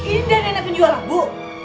indah nenek penjualan bu